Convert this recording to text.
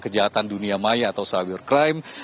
kejahatan dunia maya atau cyber crime